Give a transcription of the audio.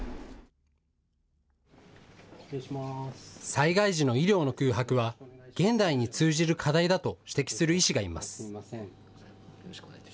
災害時の医療の空白は現代に通じる課題だと指摘する医師がいます。